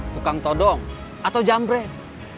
tukang todong atau jambrek